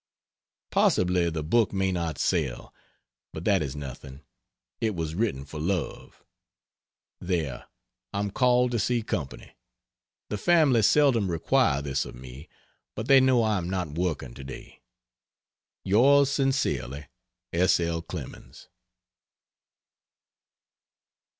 Possibly the book may not sell, but that is nothing it was written for love. There I'm called to see company. The family seldom require this of me, but they know I am not working today. Yours sincerely, S. L. CLEMENS.